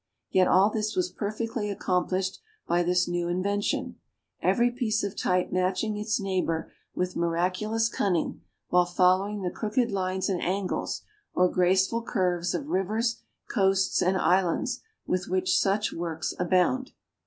Yet all this was perfectly accomplished by this new invention every piece of type matching its neighbor with miraculous cunning, while following the crooked lines and angles, or graceful curves of rivers, coasts, and islands, with which such works abound.